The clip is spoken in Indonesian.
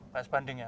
tak sebanding ya